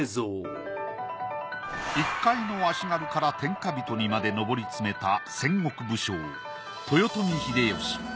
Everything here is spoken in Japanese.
一介の足軽から天下人にまで上り詰めた戦国武将豊臣秀吉。